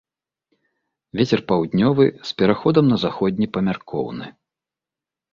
Вецер паўднёвы з пераходам на заходні памяркоўны.